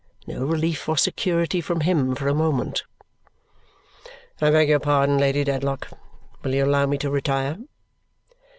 No relief or security from him for a moment. "I beg your pardon, Lady Dedlock. Will you allow me to retire?"